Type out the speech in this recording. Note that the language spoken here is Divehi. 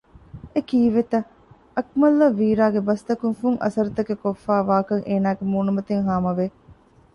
އެކީއްވެތަ؟ އަކުމަލްއަށް ވީރާގެ ބަސްތަކުން ފުން އަސްރުތަކެއް ކޮށްފައިވާކަން އޭނާގެ މޫނުމަތިން ހާމަވެ